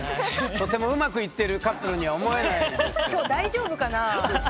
とてもうまくいってるカップルには思えないんですけど。